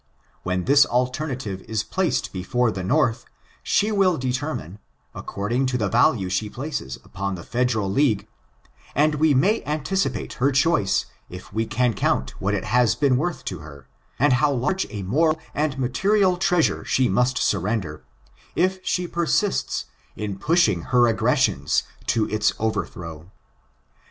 When this alternative is placed before the North, she will determine, according to the value she places upon the federal league, and we may anticipate her choice if we can count what it has been worth to her, and how large a moral and material treasure she must surrender, if she persists in pushing her aggressions to its over throw.'"